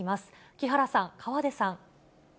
木原さん、河出さん。